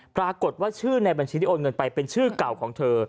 ปรากฏว่าชื่อในบัญชีที่โอนเงินไปเป็นชื่อเก่าของเธอ